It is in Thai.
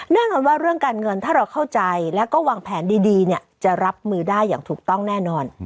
แน่นอนว่าเรื่องการเงินถ้าเราเข้าใจแล้วก็วางแผนดีจะรับมือได้อย่างถูกต้องแน่นอน